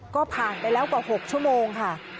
ก็ผ่านไปแล้วกว่า๖ชั่วโมงค่ะ